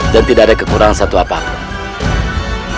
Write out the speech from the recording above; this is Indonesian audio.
dan tidak ada kekurangan satu apapun